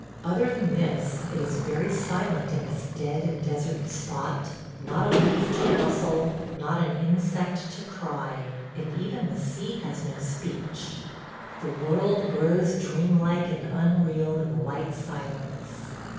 Other than this it is very silent in this dead and desert spot; not a leaf to rustle, not an insect to cry – and even the sea has no speech. The world grows dreamlike and unreal in the white silence.